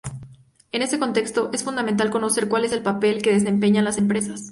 En este contexto, es fundamental conocer cuál es el papel que desempeñan las empresas.